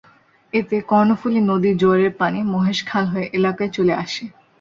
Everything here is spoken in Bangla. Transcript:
এতে কর্ণফুলী নদীর জোয়ারের পানি মহেশ খাল হয়ে এলাকায় চলে আসে।